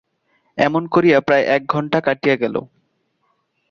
এমনি করিয়া প্রায় এক ঘন্টা কাটিয়া গেল।